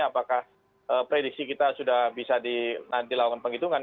apakah prediksi kita sudah bisa di nanti lakukan penghitungan